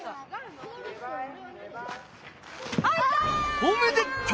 おめでとう！